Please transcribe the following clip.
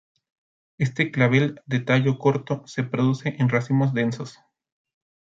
Este clavel de tallo corto se produce en racimos densos.